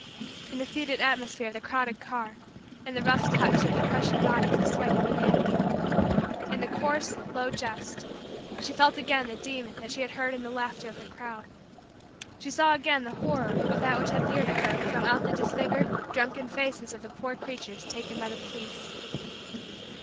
In the fetid atmosphere of the crowded car; in the rough touch of the crushing bodies of sweating humanity; in the coarse, low, jest; she felt again the demon that she had heard in the laughter of the crowd. She saw again the horror of that which had leered at her from out the disfigured, drunken, faces of the poor creatures taken by the police.